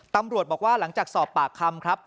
ตำรวจบอกว่าหลังจากสอบปากคำครับ